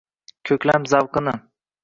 koʼklam zavqini